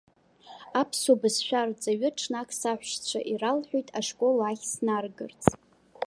Аԥсуа бызшәа арҵаҩы ҽнак саҳәшьцәа иралҳәеит ашкол ахь снаргарц.